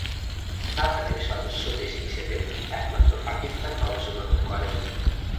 সাফ এর সদস্য দেশ হিসাবে একমাত্র পাকিস্তান অংশগ্রহণ করেনি।